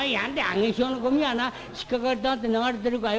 上げ潮のごみはな引っ掛かりたくて流れてるかよ。